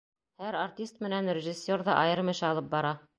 Һәр артист менән режиссер ҙа айырым эш алып бара.